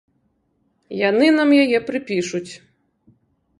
Яны нам яе прыпішуць.